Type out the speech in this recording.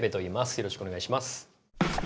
よろしくお願いします。